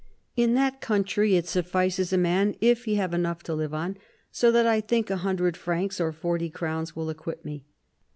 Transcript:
In that country it suffices a man if he have enough to live on, so that I think a hundred francs or forty crowns will acquit me."